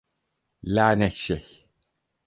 Lanet şey!